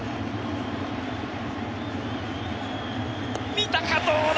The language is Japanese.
見たか、どうか。